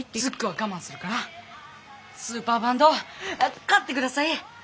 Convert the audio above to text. ズックは我慢するからスーパーバンドを買ってください！